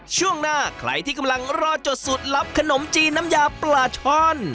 ช่วงหน้าใครที่กำลังรอจดสูตรลับขนมจีนน้ำยาปลาช่อน